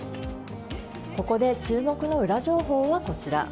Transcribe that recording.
ここで注目のウラ情報はこちら。